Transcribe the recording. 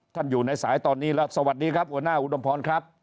อยู่ในสายตอนนี้แล้วสวัสดีครับหัวหน้าอุดมพรครับ